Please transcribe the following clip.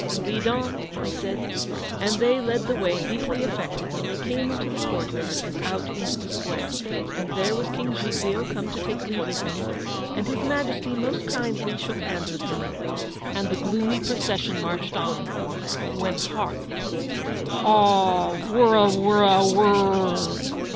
'Lead on!' he said; and they led the way, deeply affected; and they came into the courtyard, and out into the square, and there was King Giglio come to take leave of him, and His Majesty most kindly shook hands with him, and the 'Take off that marched on: when hark! Haw wurraw wurraw aworr!